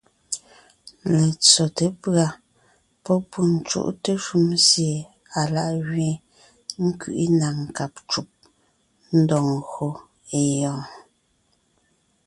Letsóte pʉ̀a pɔ́ pû cúʼte shúm sie alá’ gẅeen, ńkẅiʼi na nkáb ncùb, ńdɔg ńgÿo é gyɔ́ɔn.